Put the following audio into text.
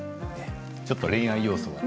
ちょっと恋愛要素が。